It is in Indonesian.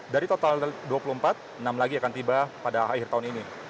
dari total dua puluh empat enam lagi akan tiba pada akhir tahun ini